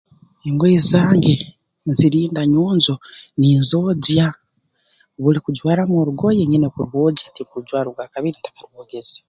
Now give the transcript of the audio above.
Engoye zange nzirinda nyonjo ninzogya buli kujwaramu orugoye nyina kurwogya tinkurujwaramu ogwakabiri ntakarwogeze